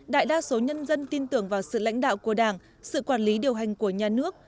đại đa số nhân dân tin tưởng vào sự lãnh đạo của đảng sự quản lý điều hành của nhà nước